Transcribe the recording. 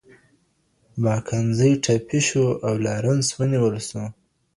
مکنزي ټپي شو او لارنس ونیول شو.